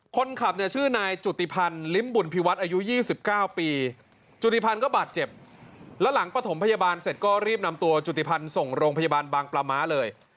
คนขับเนี่ยชื่อนายจุติพันธ์ลิ้มบุญพิวัฒน์อายุ๒๙ปีจุฏิพันธ์ก็บาดเจ็บแล้วหลังปฐมพยาบาลเสร็จก็รีบนำตัวจุติพันธ์ส่งโรงพยาบาลบางปลาม้าเลย